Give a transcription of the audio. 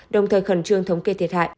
đồng thời khẩn trương thống kê thiệt hại